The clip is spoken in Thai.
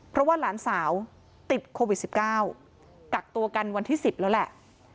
เพราะว่าหลานสาวติดโควิด๑๙กักตัวกันวันที่๑๐แล้วแหละ